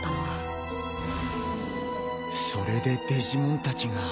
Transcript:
それでデジモンたちが。